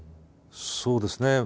そうですね